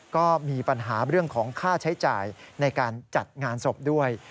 ก็มีปัญหาเรื่องของค่าใช้จ่ายในการจัดงานศพด้วย